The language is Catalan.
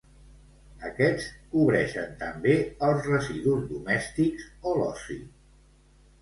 Aquests cobreixen també els residus domèstics o l'oci.